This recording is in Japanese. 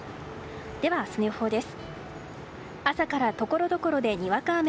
では、明日の予報です。